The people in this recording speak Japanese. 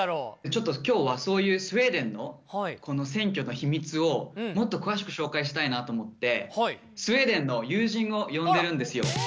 ちょっと今日はそういうスウェーデンの選挙の秘密をもっと詳しく紹介したいなと思ってスウェーデンの友人を呼んでるんですよ。